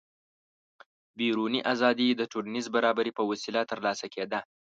بیروني ازادي د ټولنیز برابري په وسیله ترلاسه کېده.